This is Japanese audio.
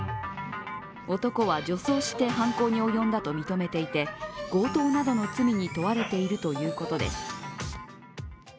男は女装して犯行に及んだと認めていて強盗などに罪に問われているということです。